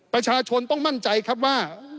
ประชาชนต้องมั่นใจครับว่า